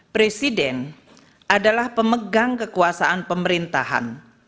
presiden adalah pemegang kekuasaan pemerintahan